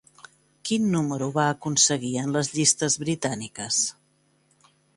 Quin número va aconseguir en les llistes britàniques?